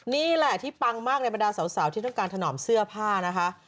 นี่แหละที่ปังมากในบรรดาสาวที่ต้องการถนอมเสื้อผ้านะคะ